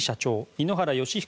井ノ原快彦